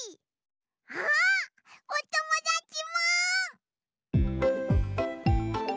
あっおともだちも！